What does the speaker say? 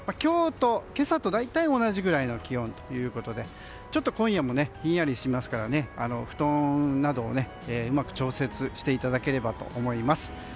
今朝と大体同じ気温ということでちょっと今夜もひんやりしますから布団などをうまく調節していただければと思います。